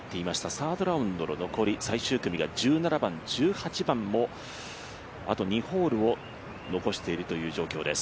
サードラウンドの残り最終組が１７番１８番も、あと２ホールを残しているという状況です。